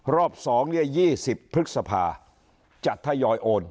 รอบ๒๒๐พฤษภาจะทยอยโอน